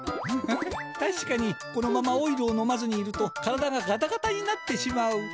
フフフたしかにこのままオイルを飲まずにいると体がガタガタになってしまう。